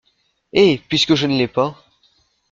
Et, puisque je ne l’ai pas…